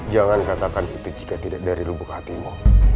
jangan katakan itu jika tidak dari lubuk hatimu